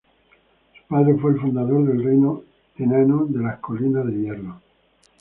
Su padre fue el fundador del Reino Enano de las Colinas de Hierro.